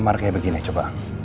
mamar kayak begini coba